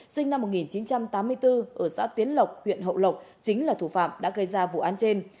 sinh năm một nghìn chín trăm tám mươi bốn ở xã tiến lộc huyện hậu lộc chính là thủ phạm đã gây ra vụ án trên